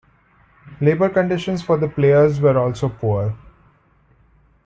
Labour conditions for the players were also poor.